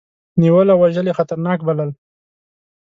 نیول او وژل یې خطرناک بلل.